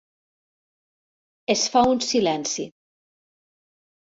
Es fa un silenci.